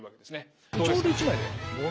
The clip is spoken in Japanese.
ちょうど一枚で。